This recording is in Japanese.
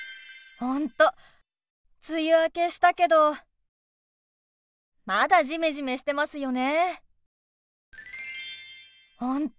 本当梅雨明けしたけどまだジメジメしてますよね。